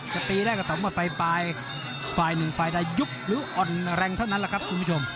จะตีได้ก็ต่อมาไปไป๑ฝ่ายได้ยุบหรืออ่อนแรงเท่านั้นแหละครับคุณผู้ชม